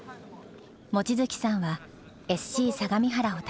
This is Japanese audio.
望月さんはＳＣ相模原を立ち上げた。